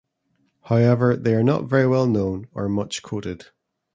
However they are not very well known or much quoted.